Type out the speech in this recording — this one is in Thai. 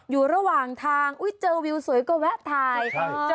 อยู่ระหว่างทางเจอวิวสวยก็แวะถ่าย